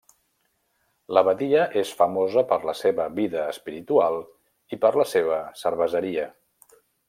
L'abadia és famosa per la seva vida espiritual i per la seva cerveseria.